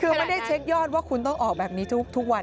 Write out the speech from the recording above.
คือไม่ได้เช็คยอดว่าคุณต้องออกแบบนี้ทุกวัน